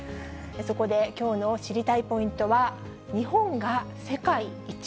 そこで、きょうの知りたいポイントは日本が世界一。